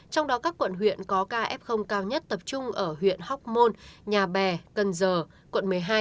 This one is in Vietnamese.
trong đó các quận huyện có ca f cao nhất tập trung ở huyện hóc môn nhà bè cần giờ quận một mươi hai